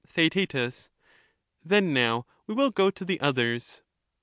Theaet, Then now we will go to the others.